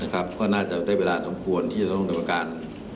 ก็น่าจะได้เวลาสมควรที่จะต้องดำเนินการ